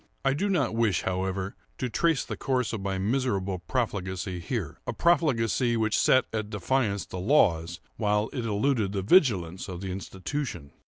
I do not wish, however, to trace the course of my miserable profligacy here—a profligacy which set at defiance the laws, while it eluded the vigilance of the institution.